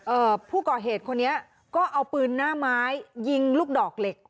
ผู้ก่อเหตุคนนี้ก็เอาปืนหน้าไม้ยิงลูกดอกเหล็ก